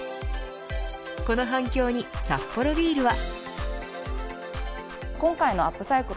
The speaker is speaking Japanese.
この反響にサッポロビールは。